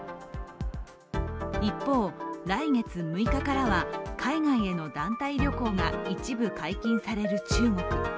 一方、来月６日からは海外への団体旅行が一部解禁される中国。